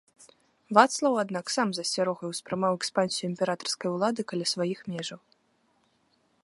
Вацлаў, аднак, сам з асцярогай успрымаў экспансію імператарскай улады каля сваіх межаў.